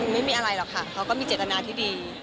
ไม่มีอะไรหรอกค่ะเขาก็มีเจตนาที่ดี